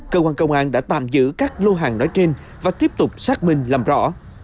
cơ quan công an đã tạm giữ các lô hàng nói trên và tiếp tục xác minh làm rõ